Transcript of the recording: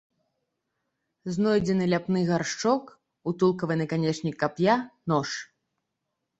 Знойдзены ляпны гаршчок, утулкавы наканечнік кап'я, нож.